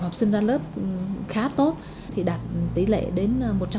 học sinh ra lớp khá tốt thì đạt tỷ lệ đến một trăm linh